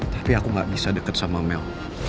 tapi aku gak bisa deket sama mel